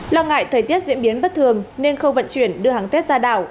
lo ngại thời tiết diễn biến bất thường nên khâu vận chuyển đưa hàng tết ra đảo